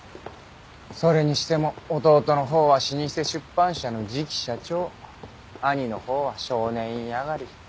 それにしても弟のほうは老舗出版社の次期社長兄のほうは少年院上がり。